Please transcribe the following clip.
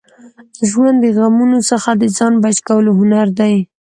ژوند د غمونو څخه د ځان بچ کولو هنر دی.